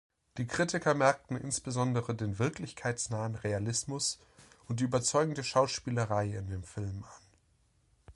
Die Kritiker merkten insbesondere den wirklichkeitsnahen Realismus und die überzeugende Schauspielerei in dem Film an.